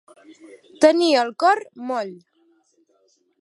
Tenir el cor moll.